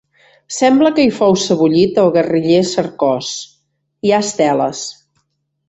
Sembla que hi fou sebollit el guerriller Cercós, hi ha esteles.